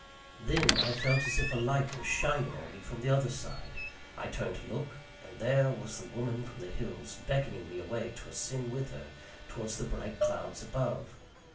Then, I felt as if a light were shining on me from the other side. I turned to look, and there was the woman from the hills beckoning me away to ascend with her towards the bright clouds above.